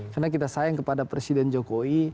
karena kita sayang kepada presiden jokowi